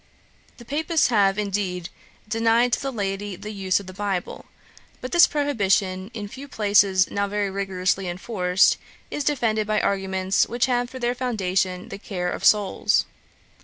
'The Papists have, indeed, denied to the laity the use of the bible; but this prohibition, in few places now very rigorously enforced, is defended by arguments, which have for their foundation the care of souls.